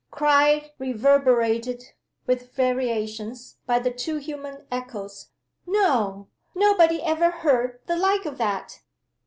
Cry reverberated, with variations, by the two human echoes: "No! Nobody ever heard the like of that!"